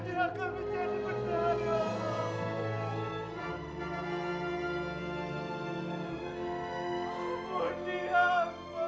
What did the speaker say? jalan ingin kau rid deposited